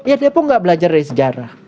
ya depo nggak belajar dari sejarah